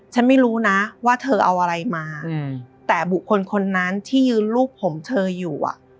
ฉันไม่รู้นะว่าเธอเอาอะไรมาแต่บุคคลคนนั้นที่ยืนรูปผมเธออยู่อ่ะ